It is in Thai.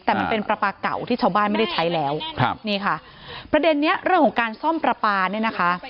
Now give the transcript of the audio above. แต่มันเป็นปลาปลาเก่าที่ชาวบ้านไม่ได้ใช้แล้วพระเด็นนี้เรื่องของการซ่อมปลาปลา